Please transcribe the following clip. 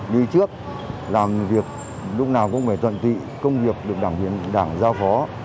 đi trước làm việc lúc nào cũng phải thuận tị công việc được đảng viên đảng giao phó